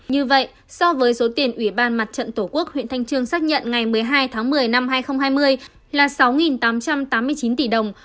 như vậy so với số tiền ủy ban mặt trận tổ quốc huyện thanh trương xác nhận ngày một mươi hai tháng một mươi năm hai nghìn hai mươi là sáu tám trăm tám mươi chín tỷ đồng